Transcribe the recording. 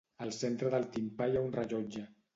Al centre del timpà hi ha un rellotge.